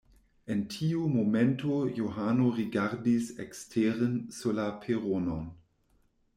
En tiu momento Johano rigardis eksteren sur la peronon.